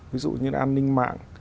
ví dụ như an ninh mạng